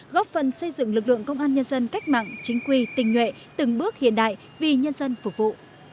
góp phần xây dựng lực lượng công an nhân dân cách mạng chính quy tình nhuệ từng bước hiện đại vì nhân dân phục vụ